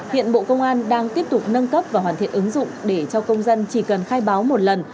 hiện bộ công an đang tiếp tục nâng cấp và hoàn thiện ứng dụng để cho công dân chỉ cần khai báo một lần